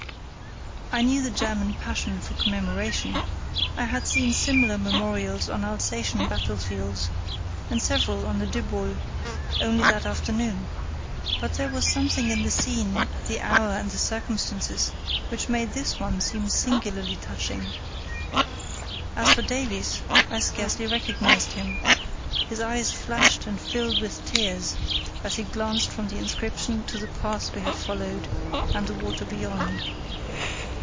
I knew the German passion for commemoration; I had seen similar memorials on Alsatian battlefields, and several on the Dybbol only that afternoon; but there was something in the scene, the hour, and the circumstances, which made this one seem singularly touching. As for Davies, I scarcely recognised him; his eyes flashed and filled with tears as he glanced from the inscription to the path we had followed and the water beyond.